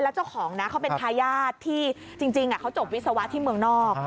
แล้วเจ้าของนะเขาเป็นทายาทที่จริงเขาจบวิศวะที่เมืองนอก